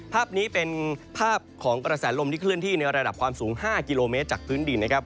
ภาพนี้เป็นภาพของกระแสลมที่เคลื่อนที่ในระดับความสูง๕กิโลเมตรจากพื้นดินนะครับ